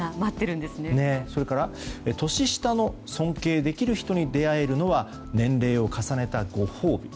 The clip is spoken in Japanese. それから「年下の尊敬できる人に出会えるのは年齢を重ねたご褒美。」